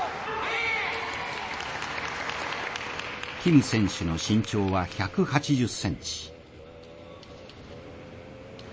キム選手の身長は１８０ｃｍ。